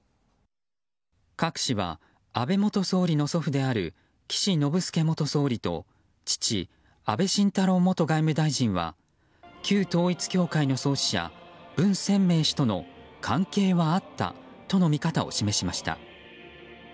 カク氏は安倍元総理の祖父である岸信介元総理と父・安倍晋太郎元外務大臣は旧統一教会の創始者文鮮明氏との関係はあったとの見方を示しました。